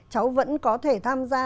cháu vẫn có thể tham gia